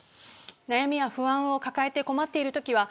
悩みや不安を抱えて困っているときは